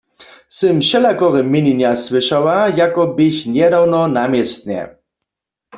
Sym wšelakore měnjenja słyšała, jako běch njedawno na městnje.